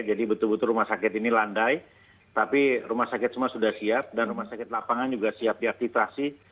jadi betul betul rumah sakit ini landai tapi rumah sakit semua sudah siap dan rumah sakit lapangan juga siap diaktifasi